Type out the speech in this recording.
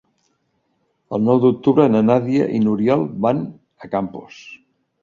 El nou d'octubre na Nàdia i n'Oriol van a Campos.